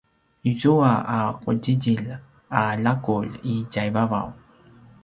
izua a qudjidjilj a laqulj i tjaivavaw